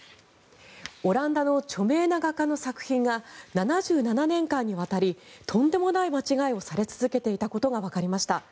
オランダの著名な画家の作品が７７年間にわたりとんでもない間違いをされ続けていたことがわかりました。